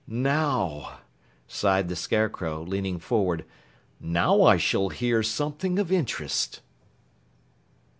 "Now!" sighed the Scarecrow, leaning forward. "Now I shall hear something of interest."